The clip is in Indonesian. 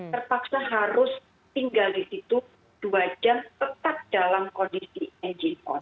terpaksa harus tinggal di situ dua jam tetap dalam kondisi engine on